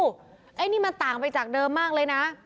อันนี้มันต่างไปจากเดิมมากเลยนะ